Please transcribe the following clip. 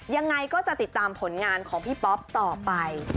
ยังไงก็จะติดตามผลงานของพี่ป๊อปต่อไป